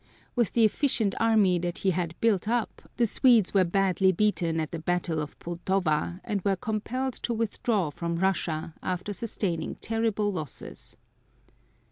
With the efficient army that he had built up the Swedes were badly beaten at the battle of Pultowa and were compelled to withdraw from Russia, after sustaining terrible losses.